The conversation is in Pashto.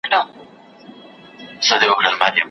دائره ګيردى شکل دئ.